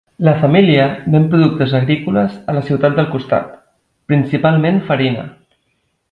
La família ven productes agrícoles a la ciutat del costat, principalment farina.